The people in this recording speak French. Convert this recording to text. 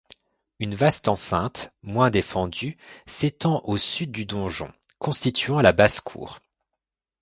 Une vaste enceinte, moins défendue, s'étend au sud du donjon, constituant la basse-cour.